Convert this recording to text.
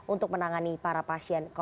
untuk menangani para pasien